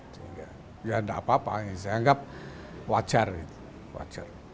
sehingga ya tidak apa apa saya anggap wajar